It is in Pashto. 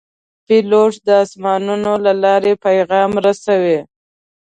پیلوټ د آسمانونو له لارې پیغام رسوي.